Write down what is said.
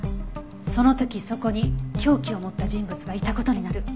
その時そこに凶器を持った人物がいた事になる。